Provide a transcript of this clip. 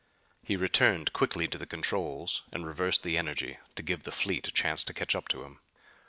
He returned quickly to the controls and reversed the energy, to give the fleet a chance to catch up to him.